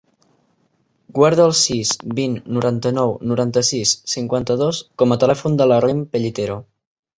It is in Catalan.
Guarda el sis, vint, noranta-nou, noranta-sis, cinquanta-dos com a telèfon de la Rym Pellitero.